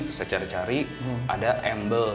terus saya cari cari ada embel